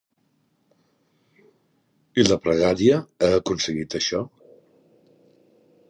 I la pregària ha aconseguit això?